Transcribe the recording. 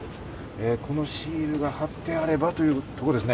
このシールが貼ってあればというところですね。